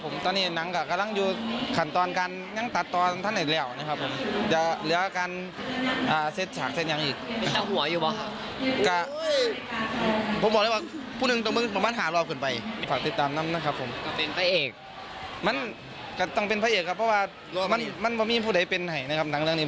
มันต้องเป็นพระเอกครับเพราะว่ามันไม่มีผู้ใดเป็นให้นะครับนังเรื่องนี้